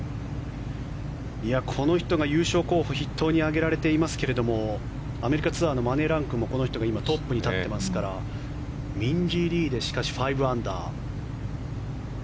この人が優勝候補筆頭に挙げられていますがアメリカツアーのマネーランクもこの人が今トップに立っていますからミンジー・リーでしかし、５アンダー。